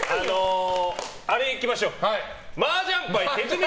あれ、いきましょう。